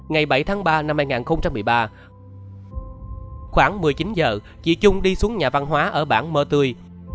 ngày bảy tháng ba năm hai nghìn một mươi ba khoảng một mươi chín giờ chị trung đi xuống nhà văn hóa ở bản mơ tươi